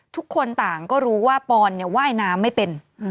ทุกคนต่างก็รู้ว่าปอนว่ายน้ำไม่เป็น